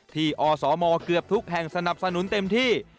อสมเกือบทุกแห่งสนับสนุนเต็มที่